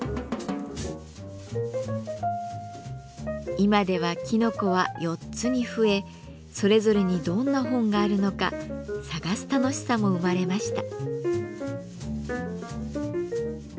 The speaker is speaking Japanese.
今ではきのこは４つに増えそれぞれにどんな本があるのか探す楽しさも生まれました。